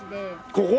ここ！？